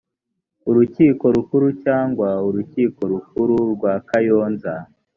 urukiko rukuru cyangwa urukiko rukuru rwa kayonza